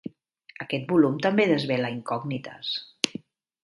Aquest volum també desvela incògnites.